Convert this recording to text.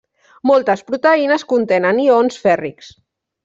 Moltes proteïnes contenen ions fèrrics.